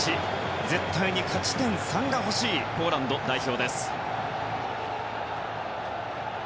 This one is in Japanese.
絶対に勝ち点３が欲しいポーランド代表です。